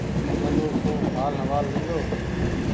ونو سون هآل هوآل لينۮو ۔